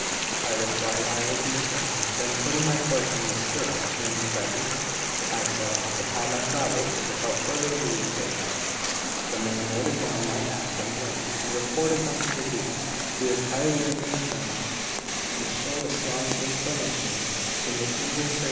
I replied: "I will do so." Then putting my foot in the stirrup in his presence, I set off upon my travels without further leave taking. The man noted down my act and words, and reported them to the Duke, who was highly incensed, and showed a strong inclination to make me retrace my steps.